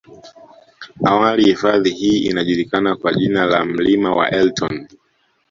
Awali hifadhi hii ilijulikana kwa jina la mlima wa elton